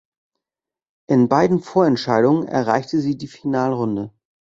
In beiden Vorentscheidungen erreichte sie die Finalrunde.